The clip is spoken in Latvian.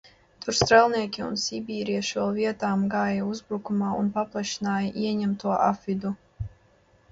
Tur strēlnieki un sibīrieši vēl vietām gāja uzbrukumā un paplašināja ieņemto apvidu.